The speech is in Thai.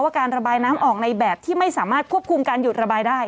การระบายน้ำออกในแบบที่ไม่สามารถควบคุมการหยุดระบายได้